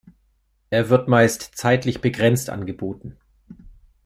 Er wird meist zeitlich begrenzt angeboten.